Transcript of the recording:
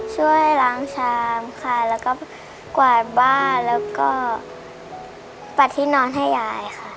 ช่วยล้างชามค่ะแล้วก็กวาดบ้านแล้วก็ปัดที่นอนให้ยายค่ะ